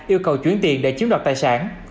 yêu cầu chuyển tiền để chiếm đoạt tài sản